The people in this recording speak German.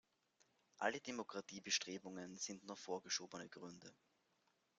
All die Demokratiebestrebungen sind nur vorgeschobene Gründe.